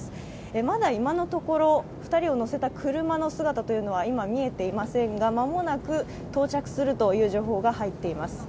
まだ今のところ２人を乗せた車の姿は見えていませんが間もなく到着するという情報が入っています。